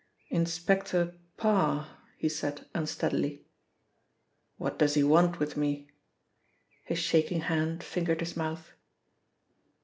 "Inspector Parr," he said unsteadily. "What does he want with me?" His shaking hand fingered his mouth.